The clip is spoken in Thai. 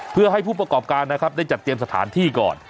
เพื่อให้ผู้ประกอบการนะครับได้จัดเตรียมสถานที่ก่อน